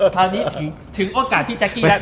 ตอนนี้ถึงโอกาสพี่จักดิยนะ